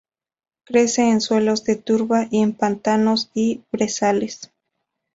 Crece en suelos de turba y en pantanos y brezales.